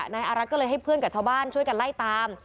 นายอารักษ์ก็เลยให้เพื่อนกับชาวบ้านช่วยกันไล่ตาม